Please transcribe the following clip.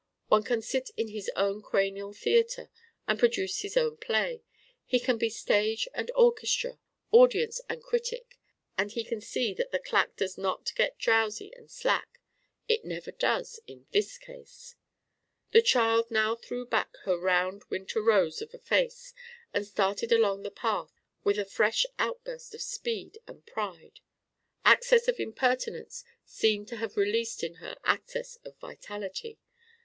One can sit in his own cranial theatre and produce his own play: he can be stage and orchestra, audience and critic; and he can see that the claque does not get drowsy and slack: it never does in this case! The child now threw back her round winter rose of a face and started along the path with a fresh outburst of speed and pride. Access of impertinence seemed to have released in her access of vitality.